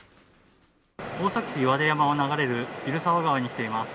大崎市岩出山を流れる蛭沢川に来ています。